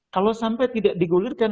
kalau sampai tidak digulirkan